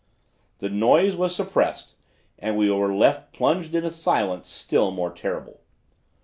"The noise was suppressed and we were left plunged in a silence still more terrible.